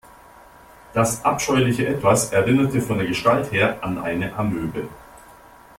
Das abscheuliche Etwas erinnerte von der Gestalt her an eine Amöbe.